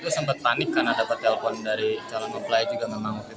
itu sempat panik karena dapet telepon dari calon nge play juga memang